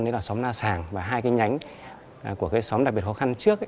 đó là xóm la sàng và hai cái nhánh của cái xóm đặc biệt khó khăn trước